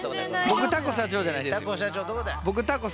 僕タコ社長じゃないです。